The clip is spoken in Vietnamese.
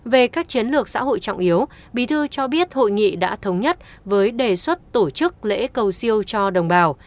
về các chiến lược xã hội trọng yếu bí thư cho biết hội nghị đã thống nhất với đề xuất tổ chức lễ cầu siêu cho đồng bào